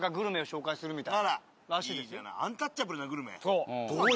そう。